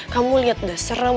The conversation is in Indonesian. kamu liat udah serem